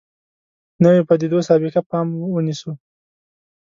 نویو پدیدو سابقه پام ونیسو.